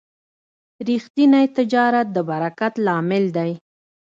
ریښتینی تجارت د برکت لامل دی.